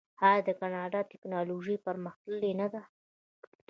آیا د کاناډا ټیکنالوژي پرمختللې نه ده؟